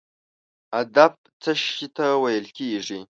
ادب څه شي ته ویل کیږي؟